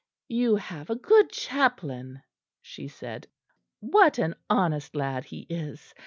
"You have a good chaplain," she said; "what an honest lad he is!